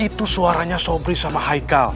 itu suaranya sobri sama haikal